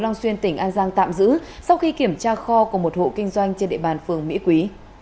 long xuyên tỉnh an giang tạm giữ sau khi kiểm tra kho của một hộ kinh doanh trên địa bàn phường mỹ quý